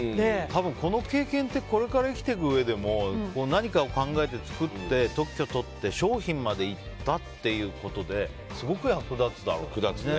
多分この経験ってこれから生きていくうえでも何かを考えて作って特許を取って商品までいったっていうことですごく役立つだろうね。